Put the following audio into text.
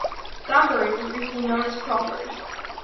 Danbury was briefly known as Crawford.